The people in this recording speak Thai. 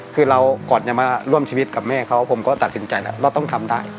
คือเราก่อนจะมาร่วมชีวิตกับแม่เขาผมก็ตัดสินใจแล้วเราต้องทำได้